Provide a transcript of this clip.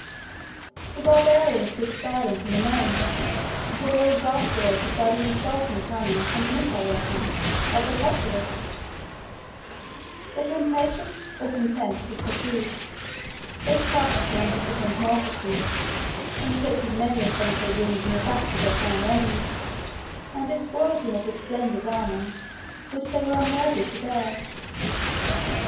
The Barbarians stood silent and amazed, till they were exasperated by the insulting clamors, and missile weapons, of the populace: but when patience or contempt was fatigued, they crushed the undisciplined multitude, inflicted many a shameful wound on the backs of their flying enemies, and despoiled them of the splendid armor, 74 which they were unworthy to bear.